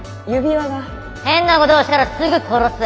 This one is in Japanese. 変なことをしたらすぐ殺す。